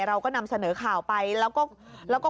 เราก็นำเสนอข่าวไปแล้วก็